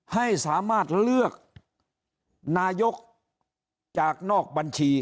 ให้สามารถเลือกนายกจากนอกบัญชี